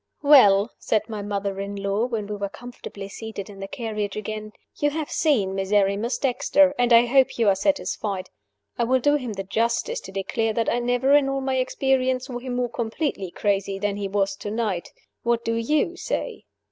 "Well!" said my mother in law, when we were comfortably seated in the carriage again. "You have seen Miserrimus Dexter, and I hope you are satisfied. I will do him the justice to declare that I never, in all my experience, saw him more completely crazy than he was to night. What do you say?"